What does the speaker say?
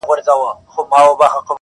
د خوښۍ کمبله ټوله سوه ماتم سو.!